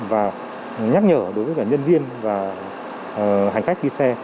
và nhắc nhở đối với cả nhân viên và hành khách đi xe